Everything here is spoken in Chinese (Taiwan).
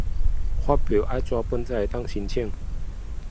發票說要紙本形式才能申請